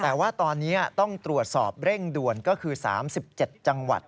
แต่ว่าตอนนี้ต้องตรวจสอบเร่งด่วนก็คือ๓๗จังหวัด